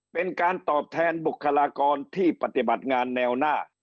เป็นการตอบแทนบุคลากรที่ปฏิบัติงานแนวหน้า